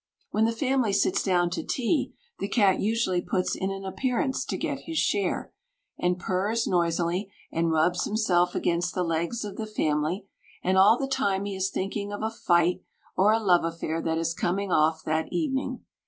When the family sits down to tea, the cat usually puts in an appearance to get his share, and purrs noisily, and rubs himself against the legs of the family; and all the time he is thinking of a fight or a love affair that is coming off that evening.